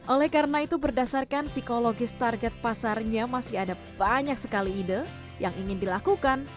oleh karena itu berdasarkan psikologis target pasarnya masih ada banyak sekali ide yang ingin dilakukan